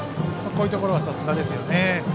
こういうところはさすがですよね。